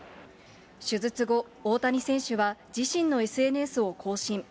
手術後、大谷選手は自身のＳＮＳを更新。